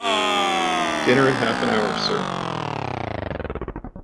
Dinner in half an hour, sir.